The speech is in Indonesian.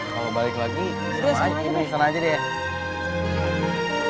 kalau balik lagi sama aja deh